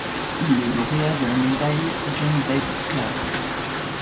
Il est lauréat de la médaille John Bates Clark.